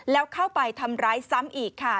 แล้วเข้าไปทำร้ายซ้ำอีกค่ะ